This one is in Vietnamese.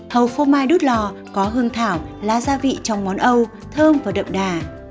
hầu phô mai đút lò có hương thảo là gia vị trong món âu thơm và đậm đà